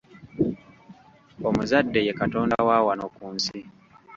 Omuzadde ye katonda wa wano ku nsi.